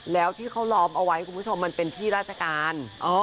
แล้วที่เขาล้อมเอาไว้คุณผู้ชมมันเป็นที่ราชการ